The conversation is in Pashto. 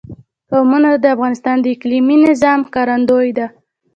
قومونه د افغانستان د اقلیمي نظام ښکارندوی ده.